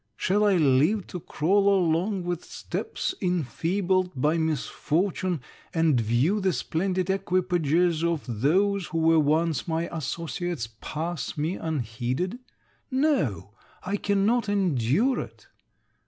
Shall I live to crawl along with steps enfeebled by misfortune, and view the splendid equipages of those who were once my associates pass me unheeded? No, I cannot endure it.